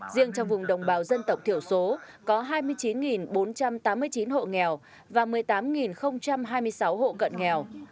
riêng trong vùng đồng bào dân tộc thiểu số có hai mươi chín bốn trăm tám mươi chín hộ nghèo và một mươi tám hai mươi sáu hộ cận nghèo